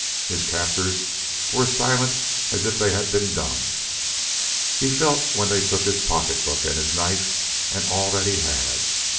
His captors were as silent as if they had been dumb. He felt when they took his pocketbook and his knife and all that he had.